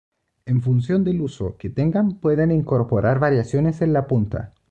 En función del uso que tengan pueden incorporar variaciones en la punta.